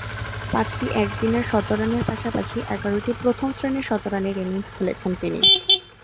পাঁচটি একদিনের শতরানের পাশাপাশি এগারোটি প্রথম-শ্রেণীর শতরানের ইনিংস খেলেছেন তিনি।